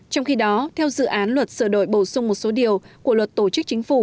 trong khi đó theo dự án luật sửa đổi bổ sung một số điều của luật tổ chức chính phủ